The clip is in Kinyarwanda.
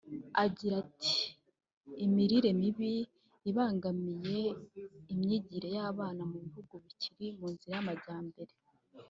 agira ati “ Imirire mibi ibangamiye imyigire y’abana mu bihugu bikiri mu nzira y’amajyambere